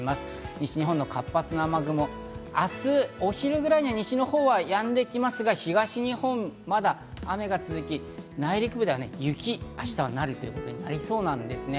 西日本の活発な雨雲、明日お昼ぐらいには西のほうはやんできますが、東日本はまだ雨が続き、内陸部では雪、明日は雪になることが内陸部ではありそうです。